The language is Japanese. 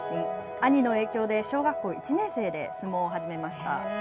兄の影響で小学校１年生で相撲を始めました。